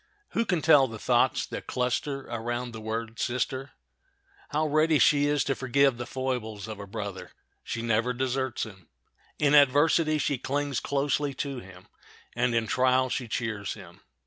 Who can tell the thoughts that cluster around the word sister? How ready she is to forgive the foibles of a brother! She never deserts him. In adversity she clings closely to him, and in trial she cheers him.